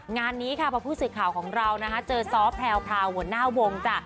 งานนี้ค่ะพอผู้สื่อข่าวของเรานะคะเจอซ้อแพลวหัวหน้าวงจ้ะ